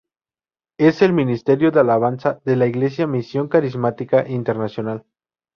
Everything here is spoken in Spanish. Es el ministerio de alabanza de la Iglesia Misión Carismática Internacional.